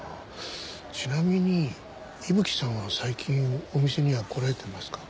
ちなみに伊吹さんは最近お店には来られてますか？